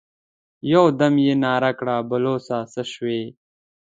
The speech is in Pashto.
يودم يې ناره کړه: بلوڅه! څه شوې؟